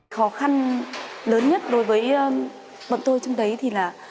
khó khăn lớn nhất đối với bọn tôi trong đấy thì là